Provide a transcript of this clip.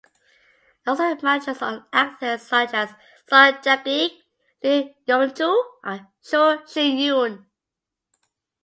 It also manages an actors such as Song Chan-ik, Lee Hyun-joo and Cho Shi-yoon.